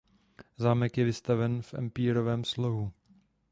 Zámek je vystaven v empírovém slohu.